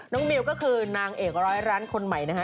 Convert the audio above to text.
มิวก็คือนางเอกร้อยล้านคนใหม่นะฮะ